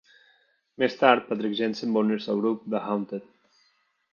Més tard, Patrik Jensen va unir-se al grup The Haunted.